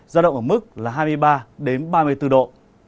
giao động ở mức là hai mươi ba đến ba mươi bốn độ